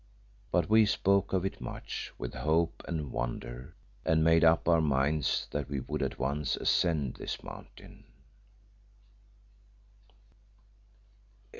But we spoke of it much with hope and wonder, and made up our minds that we would at once ascend this mountain.